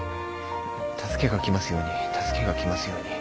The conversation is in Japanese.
助けが来ますように助けが来ますように。